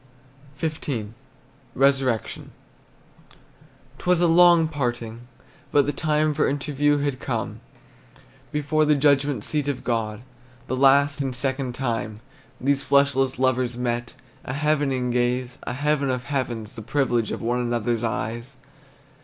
XV. RESURRECTION. 'T was a long parting, but the time For interview had come; Before the judgment seat of God, The last and second time These fleshless lovers met, A heaven in a gaze, A heaven of heavens, the privilege Of one another's eyes.